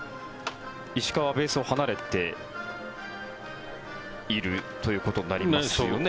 石川はベースを離れているということになりますよね。